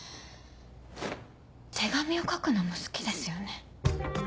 手紙を書くのも好きですよね？